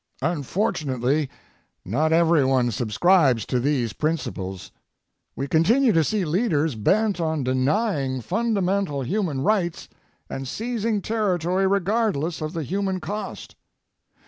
Unfortunately, not everyone subscribes to these principles. We continue to see leaders bent on denying fundamental human rights and seizing territory regardless of the human cost.